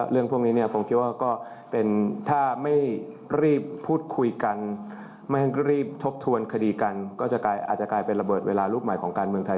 เรื่องพวกนี้เนี่ยผมคิดว่าก็เป็นถ้าไม่รีบพูดคุยกันไม่ให้รีบทบทวนคดีกันก็จะอาจจะกลายเป็นระเบิดเวลาลูกใหม่ของการเมืองไทย